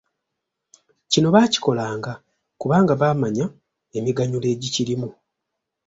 Kino baakikolanga kubanga baamanya emiganyulo egikirimu.